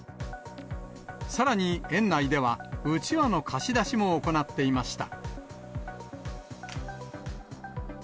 さらに園内では、うちわの貸し出しも行っていました。